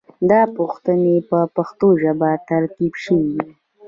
دا پوښتنې په پښتو ژبه ترتیب شوې دي.